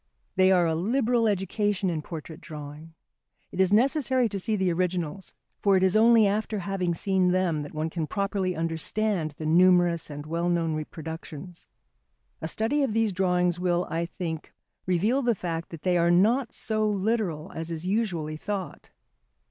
They are a liberal education in portrait drawing. It is necessary to see the originals, for it is only after having seen them that one can properly understand the numerous and well known reproductions. A study of these drawings will, I think, reveal the fact that they are not so literal as is usually thought.